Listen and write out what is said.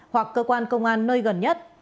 hoặc cơ quan công an nơi gần nhất